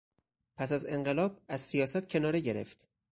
پس از انقلاب از سیاست کناره گرفت.